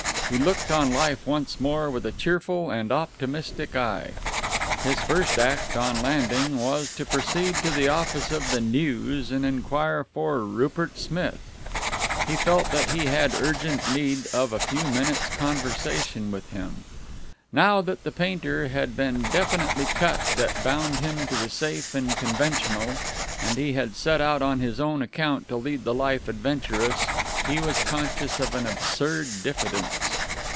He looked on life once more with a cheerful and optimistic eye. His first act, on landing, was to proceed to the office of the News and enquire for Rupert Smith. He felt that he had urgent need of a few minutes' conversation with him. Now that the painter had been definitely cut that bound him to the safe and conventional, and he had set out on his own account to lead the life adventurous, he was conscious of an absurd diffidence.